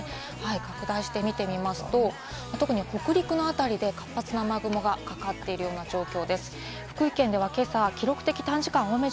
拡大して見てみますと、特に北陸の辺りで活発な雨雲がかかっているような状況です。